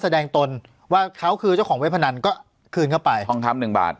ตนว่าเขาคือเจ้าของเว็บพนันก็คืนเข้าไปทองคำหนึ่งบาท